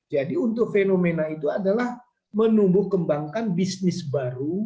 jadi untuk fenomena itu adalah menumbuh kembangkan bisnis baru